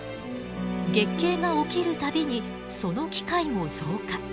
月経が起きる度にその機会も増加。